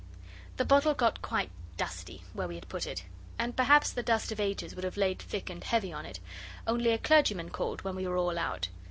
The bottle got quite dusty where we had put it, and perhaps the dust of ages would have laid thick and heavy on it, only a clergyman called when we were all out.